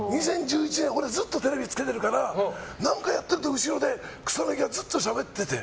ずっとテレビつけてるから何かやってて後ろで草なぎがずっとしゃべってて。